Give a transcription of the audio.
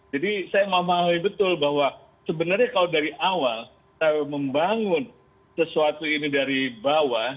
saya memahami betul bahwa sebenarnya kalau dari awal membangun sesuatu ini dari bawah